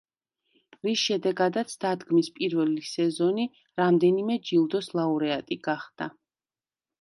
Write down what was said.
რის შედეგადაც დადგმის პირველი სეზონი რამდენიმე ჯილდოს ლაურეატი გახდა.